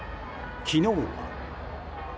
昨日は。